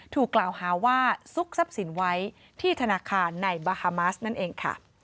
ถูกกล่าวหาว่าซุกทรัพย์สินไว้ที่ธนาคารในบาฮามาสนั่นเองค่ะ